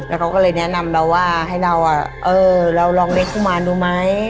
แล้วก็เลยแนะนำเราว่าให้เราลองเล่นกุมมารดูไหม